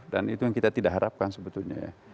dan itu yang kita tidak harapkan sebetulnya ya